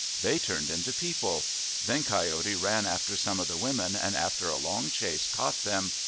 They turned into people. Then Coyote ran after some of the women and after a long chase caught them.